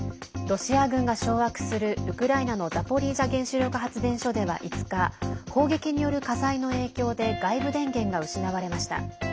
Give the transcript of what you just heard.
ロシア軍が掌握するウクライナのザポリージャ原子力発電所では５日、砲撃による火災の影響で外部電源が失われました。